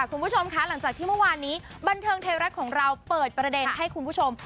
คุณผู้ชมคะหลังจากที่เมื่อวานนี้บันเทิงไทยรัฐของเราเปิดประเด็นให้คุณผู้ชม